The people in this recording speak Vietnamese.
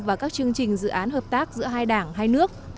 và các chương trình dự án hợp tác giữa hai đảng hai nước